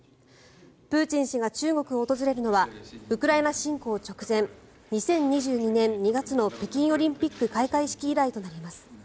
プーチン氏が中国を訪れるのはウクライナ侵攻直前２０２２年２月の北京オリンピック開会式以来となります。